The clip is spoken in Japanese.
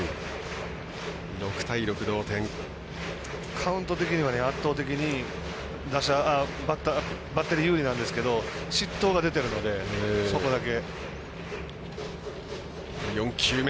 カウント的には圧倒的にバッテリー有利なんですけど失投が出ているので、そこだけ。